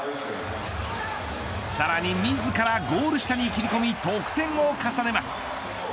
さらに自らゴール下に切り込み得点を重ねます。